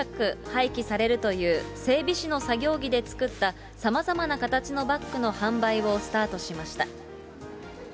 廃棄されるという整備士の作業着で作った、さまざまな形のバッグの販売をスタートしました。